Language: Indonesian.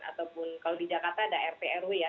ataupun kalau di jakarta ada rt rw ya